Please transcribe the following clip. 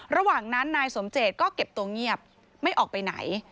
ระหว่างนั้นนายสมเจตก็เก็บตัวเงียบไม่ออกไปไหน